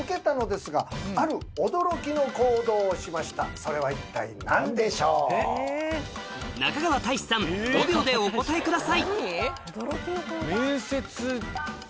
それではここで中川大志さん５秒でお答えください